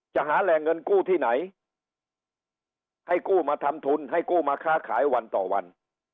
จะหาแหล่งเงินกู้ที่ไหนให้กู้มาทำทุนให้กู้มาค้าขายวันต่อวัน